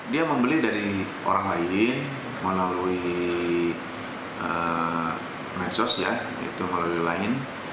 dia membeli dari orang lain melalui mensos ya itu melalui lain